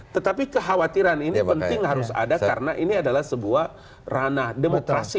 tetapi kekhawatiran ini penting harus ada karena ini adalah sebuah ranah demokrasi